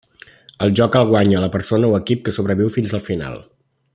El joc el guanya la persona o equip que sobreviu fins al final.